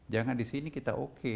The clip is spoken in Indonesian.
jangan di sini kita oke